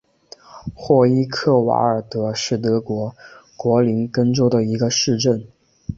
霍伊克瓦尔德是德国图林根州的一个市镇。